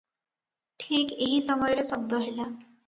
ଠିକ୍ ଏହି ସମୟରେ ଶଦ୍ଦ ହେଲା